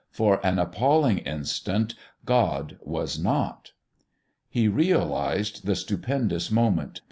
For an appalling instant God was not. He realised the stupendous moment.